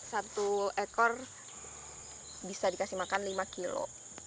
satu ekor bisa dikasih makan lima kilo